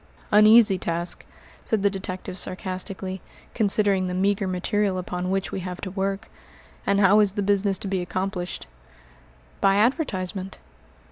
"An easy task," said the detective sarcastically, "considering the meagre material upon which we have to work. And how is the business to be accomplished?" "By advertisement."